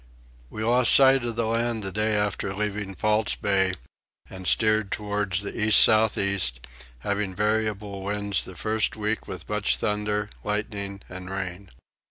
We lost sight of the land the day after leaving False Bay and steered towards the east south east, having variable winds the first week with much thunder, lightning and rain.